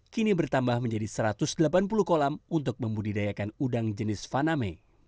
kini bertambah menjadi satu ratus delapan puluh kolam untuk membudidayakan udang jenis faname